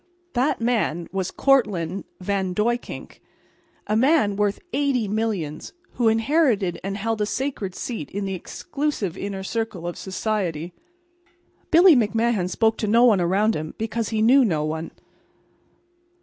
That man was Cortlandt Van Duyckink, a man worth eighty millions, who inherited and held a sacred seat in the exclusive inner circle of society. Billy McMahan spoke to no one around him, because he knew no one.